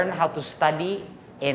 bagaimana belajar dengan